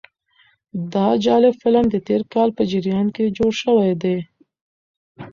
دا جالب فلم د تېر کال په جریان کې جوړ شوی دی.